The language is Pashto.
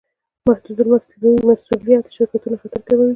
محدودالمسوولیت شرکتونه خطر کموي.